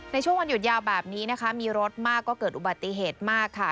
ในช่วงวันหยุดยาวแบบนี้นะคะมีรถมากก็เกิดอุบัติเหตุมากค่ะ